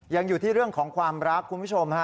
ยังอยู่ที่เรื่องของความรักคุณผู้ชมฮะ